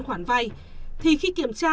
khoản vay thì khi kiểm tra